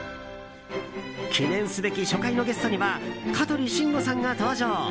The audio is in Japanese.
記念すべき初回のゲストには香取慎吾さんが登場。